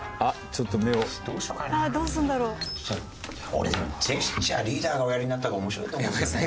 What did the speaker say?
俺でもジェスチャーリーダーがおやりになった方が面白いと思うけどね。